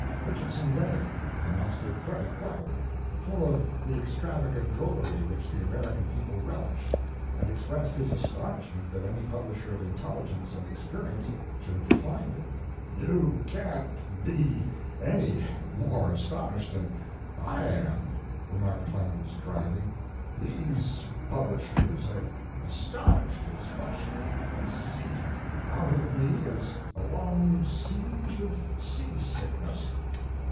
Richardson read it, pronounced it very clever; full of the extravagant drollery which the American people relish, and expressed his astonishment that any pub lisher of intelligence and experience should have declined it. "You can t be any more astonished than I am," remarked Clemens, dryly. "These publishers have astonished as much conceit out of me as a long seige of sea sickness."